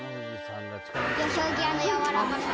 土俵際の柔らかさ。